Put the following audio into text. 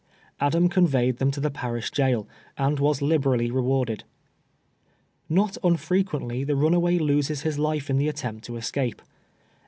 Adam conveyed tlieni to the parish jail, and was liberally rewarded. Xot nnfrequently the runaway loses his life in the attempt to escape.